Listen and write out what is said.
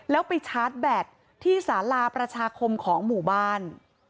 แล้วไปชาร์จแบตที่สาราประชาคมของหมู่บ้าน